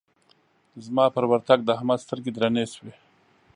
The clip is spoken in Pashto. زما پر ورتګ د احمد سترګې درنې شوې.